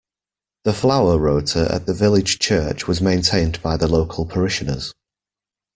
The flower rota at the village church was maintained by the local parishioners